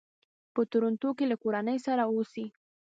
په ټورنټو کې له کورنۍ سره اوسي.